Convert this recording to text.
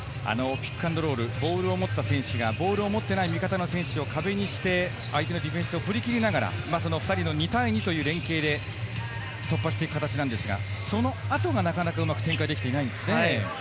ピックアンドロール、ボールを持った選手が、ボールを持っていない味方の選手を壁にして、相手のディフェンスを振り切りながら、２対２という連携で、突破していく形ですが、その後がなかなかうまく展開できていないんですね。